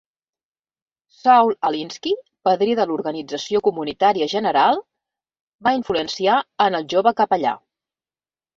Saul Alinsky, padrí de l'organització comunitària general, va influenciar en el jove capellà.